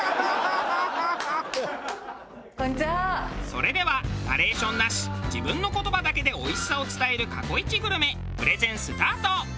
それではナレーションなし自分の言葉だけでおいしさを伝える過去イチグルメプレゼンスタート！